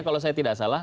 kalau saya tidak salah